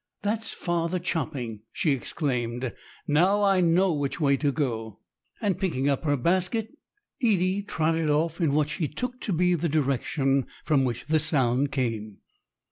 "That's father chopping!" she exclaimed. "Now I know which way to go!" And picking up her basket, Edie trotted off in what she took to be the direction from which the sound came.